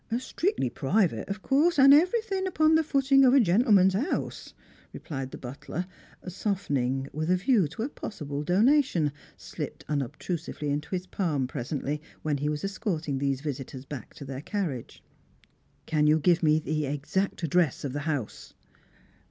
Strictly private, of course, and everythink upon the footing of a gentleman's 'ouse," replied the butler, softening, with a view to a possible donation, slipped unobtrusively into his palm pre sently, when he was escorting these visitors back to their car riage. " Can you give me the exact address of the house?"